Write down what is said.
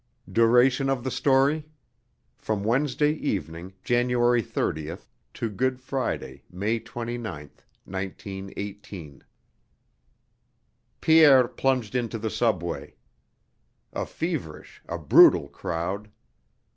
DURATION OF THE STORY From Wednesday evening, January 30, to Good Friday, May 29, 1918. PIERRE AND LUCE PIERRE plunged into the subway. A feverish, a brutal crowd.